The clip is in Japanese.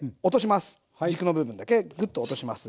軸の部分だけグッと落とします。